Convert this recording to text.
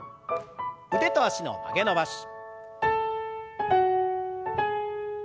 腕と脚の曲げ伸ばし。